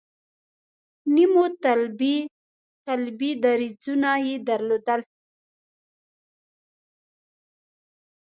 نیمو طالبي دریځونه یې درلودل.